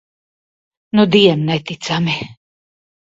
Nudien neticami.